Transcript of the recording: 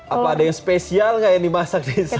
apa ada yang spesial nggak yang dimasak di sana